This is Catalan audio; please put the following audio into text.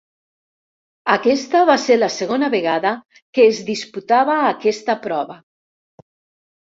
Aquesta va ser la segona vegada que es disputava aquesta prova.